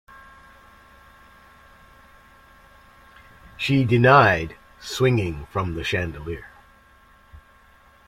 She denied swinging from the chandelier.